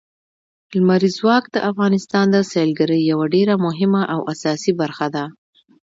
لمریز ځواک د افغانستان د سیلګرۍ یوه ډېره مهمه او اساسي برخه ده.